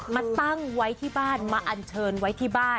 มาตั้งไว้ที่บ้านมาอันเชิญไว้ที่บ้าน